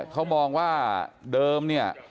เขาบอกว่าเดิม